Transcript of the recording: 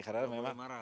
tidak boleh marah